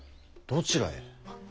どちらへ。